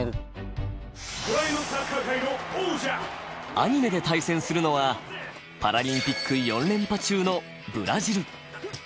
アニメで対戦するのはパラリンピック４連覇中のブラジル。